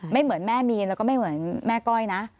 เหมือนแม่มีนแล้วก็ไม่เหมือนแม่ก้อยนะ